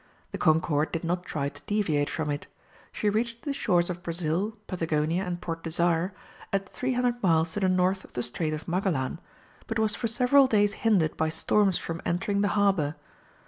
The Concorde did not try to deviate from it; she reached the shores of Brazil, Patagonia, and Port Desire, at 300 miles to the north of the Strait of Magellan, but was for several days hindered by storms from entering the harbour.